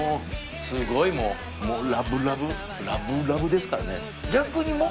すごいもうラブラブラブラブですからね。